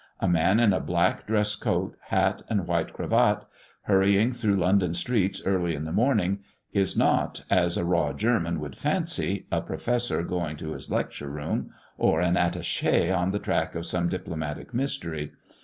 A man in a black dress coat, hat, and white cravat, hurrying through London streets early in the morning, is not, as a raw German would fancy, a professor going to his lecture room, or an attaché on the track of some diplomatic mystery.